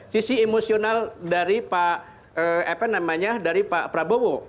sisi emosional dari pak prabowo